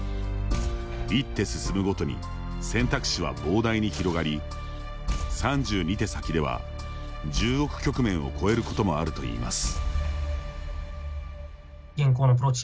一手進むごとに選択肢は膨大に広がり３２手先では１０億局面を超えることもあるといいます。